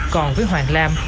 còn với hoàng lam